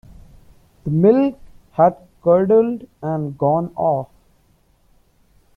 The milk had curdled and gone off.